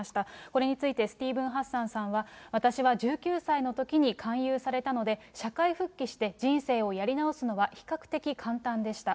これについて、スティーブン・ハッサンさんは、私は１９歳のときに勧誘されたので、社会復帰して人生をやり直すのは比較的簡単でした。